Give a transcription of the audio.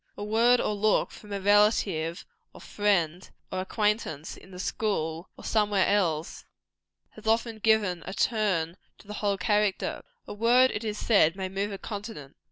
A word or a look from a relative, or friend, or acquaintance, in the school or somewhere else, has often given a turn to the whole character. A word, it is said, may move a continent.